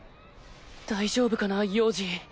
大丈夫かな陽次。